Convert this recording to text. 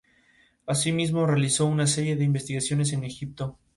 Se ubica en un vergel plantado de eucaliptos y álamos.